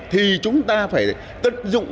thì chúng ta phải tất dụng